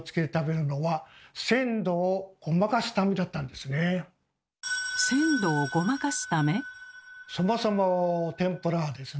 でもそもそも天ぷらはですね